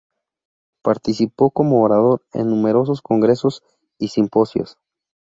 Participó como orador en numerosos congresos y simposios.